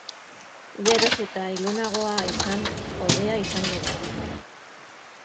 Geroz eta ilunagoa izan hobea izango da.